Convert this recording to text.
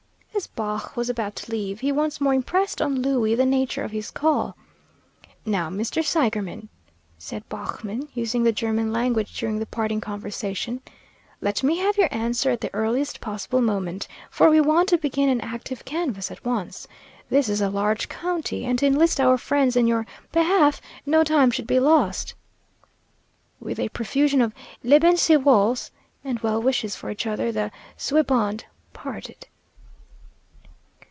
As Baugh was about to leave he once more impressed on Louie the nature of his call. "Now, Mr. Seigerman," said Baughman, using the German language during the parting conversation, "let me have your answer at the earliest possible moment, for we want to begin an active canvass at once. This is a large county, and to enlist our friends in your behalf no time should be lost." With a profusion of "Leben Sie wohls" and well wishes for each other, the "Zweibund" parted.